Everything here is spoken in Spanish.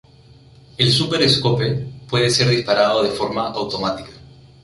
El super scope puede ser disparado de forma automática.